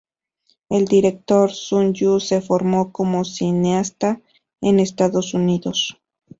El director Sun Yu se formó como cineasta en Estados Unidos.